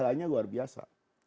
pahlanya luar biasa